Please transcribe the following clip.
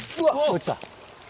落ちた。